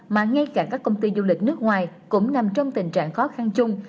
mà ngay cả các công ty du lịch nước ngoài cũng nằm trong tình trạng khó khăn chung